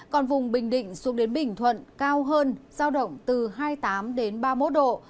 còn vùng bình định xuống đến bình thuận cao hơn giao động từ hai mươi tám đến ba mươi một độ